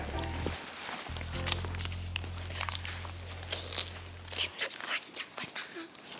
kenak kenak rancak panas